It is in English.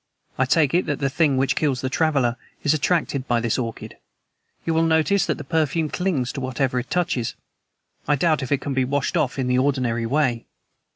I take it that the thing which kills the traveler is attracted by this orchid. You will notice that the perfume clings to whatever it touches. I doubt if it can be washed off in the ordinary way.